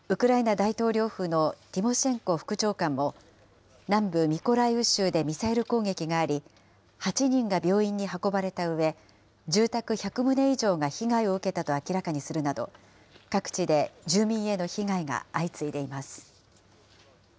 大統領府のティモシェンコ副長官も、南部ミコライウ州でミサイル攻撃があり、８人が病院に運ばれたうえ、住宅１００棟以上が被害を受けたと明らかにするなど、各地で住民への被害が相次いでいます。